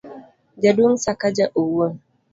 jaduong' Sakaja owuon